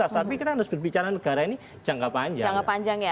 tapi kita harus berbicara negara ini jangka panjang